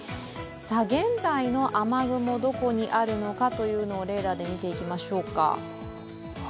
現在の雨雲、どこにあるのかというのをレーダーで見ていきましょうか。